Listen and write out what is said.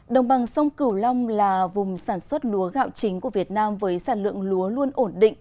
đồng bằng sông cửu long là vùng sản xuất lúa gạo chính của việt nam với sản lượng lúa luôn ổn định